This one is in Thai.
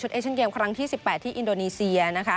เอเชียนเกมครั้งที่๑๘ที่อินโดนีเซียนะคะ